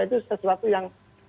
itu sesuatu yang